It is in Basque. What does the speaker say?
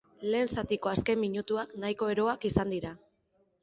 Lehen zatiko azken minutuak nahiko eroak izan dira.